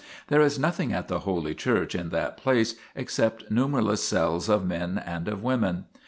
There is nothing at the holy church in that place except numberless cells of men and of women.